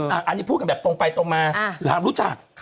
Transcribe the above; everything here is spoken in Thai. อันนี้พูดกันแบบตรงไปตรงมาหลานรู้จัก